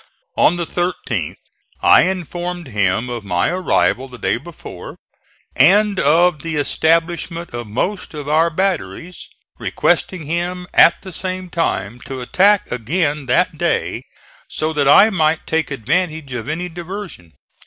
On the 13th I informed him of my arrival the day before and of the establishment of most of our batteries, requesting him at the same time to attack again that day so that I might take advantage of any diversion.